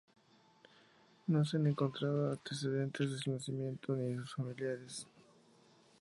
No se han encontrado antecedentes de su nacimiento ni de sus familiares.